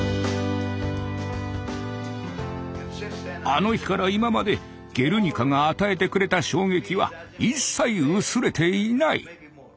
あの日から今まで「ゲルニカ」が与えてくれた衝撃は一切薄れていない。